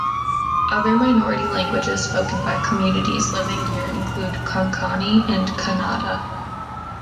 Other minority languages spoken by communities living here include Konkani and Kannada.